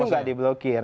itu nggak diblokir